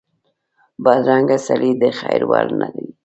بدرنګه سړی د خیر وړ نه وي